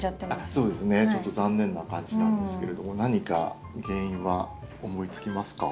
そうですねちょっと残念な感じなんですけれども何か原因は思いつきますか？